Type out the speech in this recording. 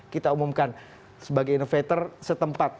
kita umumkan sebagai innovator setempat